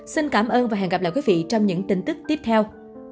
xin cảm ơn và hẹn gặp lại quý vị trong những tin tức tiếp theo